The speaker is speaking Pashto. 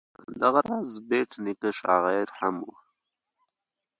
دغه راز بېټ نیکه شاعر هم و.